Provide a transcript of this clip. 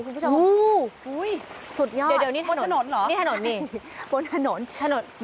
คุณผู้ชมค่ะสุดยอดเดี๋ยวนี่บนถนนเหรอบนถนนนี่